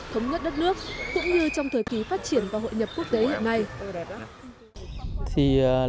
thống nhất đất nước cũng như trong thời kỳ phát triển và hội nhập quốc tế hiện nay